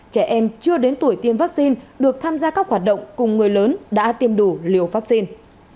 trẻ em chưa đến tuổi tiêm vaccine được tham gia các hoạt động cùng người lớn đã tiêm đủ liều vaccine